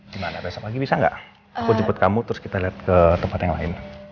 gimana besok pagi bisa nggak aku jemput kamu terus kita lihat ke tempat yang lain